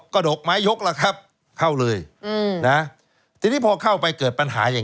ก็หมายยกล่ะครับเข้าเลยอืมนะทีนี้พอเกิดปัญหาอย่าง